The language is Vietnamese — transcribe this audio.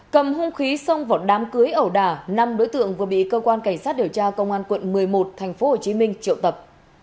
cầm hung khí xông vào đám cưới ẩu đả năm đối tượng vừa bị cơ quan cảnh sát điều tra công an quận một mươi một tp hcm triệu tập